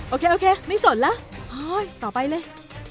โอเคโอเคไม่สนแล้วต่อไปเลย